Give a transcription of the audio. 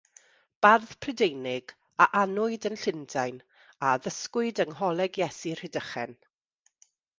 Bardd Prydeinig, a anwyd yn Llundain, a addysgwyd yng Ngholeg Iesu, Rhydychen.